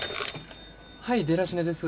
はいデラシネです。